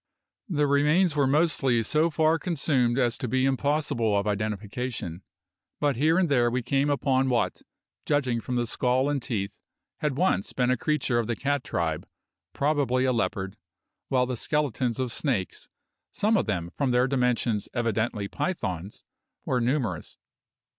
The remains were mostly so far consumed as to be impossible of identification, but here and there we came upon what, judging from the skull and teeth, had once been a creature of the cat tribe, probably a leopard; while the skeletons of snakes some of them, from their dimensions, evidently pythons were numerous.